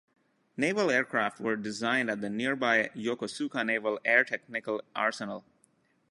Naval aircraft were designed at the nearby Yokosuka Naval Air Technical Arsenal.